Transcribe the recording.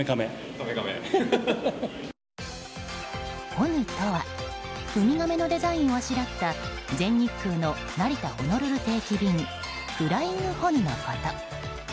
ホヌとはウミガメのデザインをあしらった全日空の成田ホノルル定期便フライングホヌのこと。